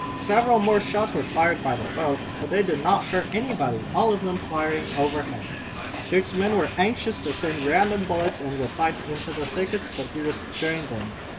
Several more shots were fired by the foe, but they did not hurt anybody, all of them flying overhead. Dick's men were anxious to send random bullets in reply into the thickets, but he restrained them.